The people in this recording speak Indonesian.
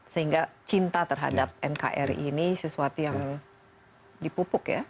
sehingga cinta terhadap nkri ini sesuatu yang dipupuk ya